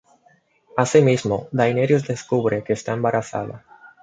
Asimismo, Daenerys descubre que está embarazada.